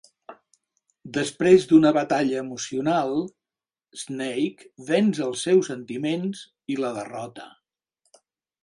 Després d'una batalla emocional, Snake venç els seus sentiments i la derrota.